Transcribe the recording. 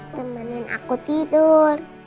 menemani aku tidur